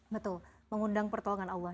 betul mengundang pertolongan allah